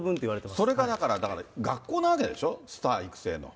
それがだから、学校なわけでしょ、スター育成の。